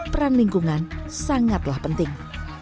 peran lingkungan sangatlah penting